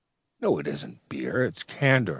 "'No, it isn't Beer, it's Candor!'